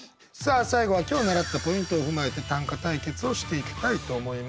最後は今日習ったポイントを踏まえて短歌対決をしていきたいと思います。